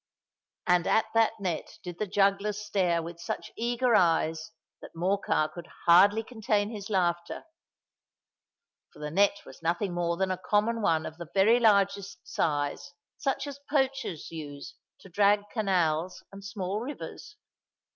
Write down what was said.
And at that net did the jugglers stare with such eager eyes, that Morcar could hardly contain his laughter: for the net was nothing more than a common one of the very largest size, such as poachers use to drag canals and small rivers.